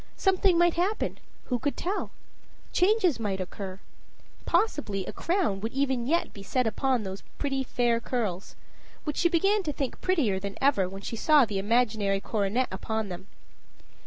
Something might happen who could tell? Changes might occur. Possibly a crown would even yet be set upon those pretty, fair curls which she began to think prettier than ever when she saw the imaginary coronet upon them.